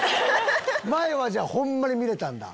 前はホンマに見れたんだ。